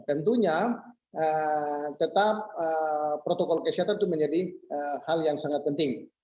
tentunya tetap protokol kesehatan itu menjadi hal yang sangat penting